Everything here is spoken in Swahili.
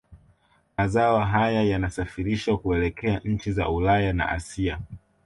Mazao haya yanasafirishwa kuelekea nchi za Ulaya na Asia